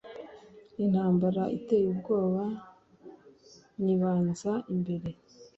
intambara iteye ubwoba nyibanza imbere